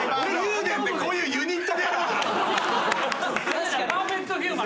確かに。